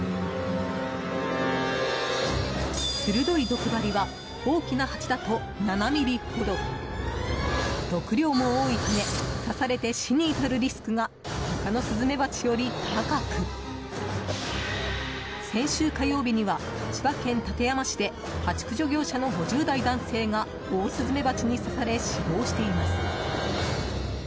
鋭い毒針は大きなハチだと７ｍｍほど毒量も多いため刺されて死に至るリスクが他のスズメバチより高く先週火曜日には、千葉県館山市でハチ駆除業者の５０代男性がオオスズメバチに刺され死亡しています。